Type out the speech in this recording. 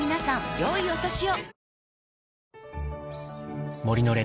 良いお年を。